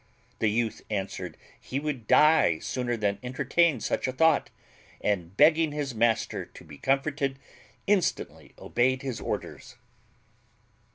The youth answered he would die sooner than entertain such a thought, and, begging his master to be comforted, instantly obeyed his orders.